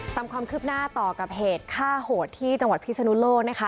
ตามความคืบหน้าต่อกับเหตุฆ่าโหดที่จังหวัดพิศนุโลกนะคะ